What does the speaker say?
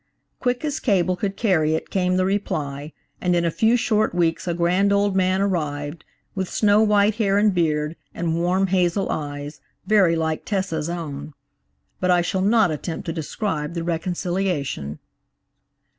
Quick as cable could carry it came the reply, and in a few short weeks a grand old man arrived, with snow white hair and beard, and warm hazel eyes very like Tessa's own. But I shall not attempt to describe the reconciliation!